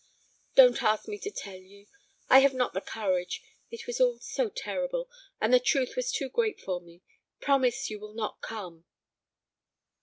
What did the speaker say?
"Don't ask me to tell you; I have not the courage; it was all so terrible, and the truth was too great for me. Promise you will not come."